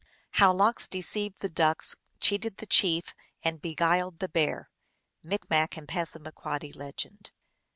How Lox deceived the Ducks, cheated the Chief, and be guiled the Bear. (Micmac and Passamaquoddy.)